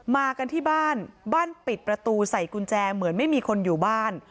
มากันที่บ้านบ้านปิดประตูใส่กุญแจเหมือนไม่มีคนอยู่บ้าน